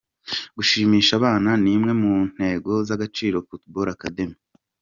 Gushimisha abana ni imwe mu ntego z'Agaciro Football Academy.